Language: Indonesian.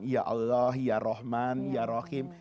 ya allah ya rahman ya rahim